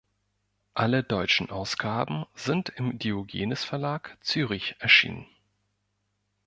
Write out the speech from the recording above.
Alle deutschen Ausgaben sind im Diogenes Verlag, Zürich, erschienen.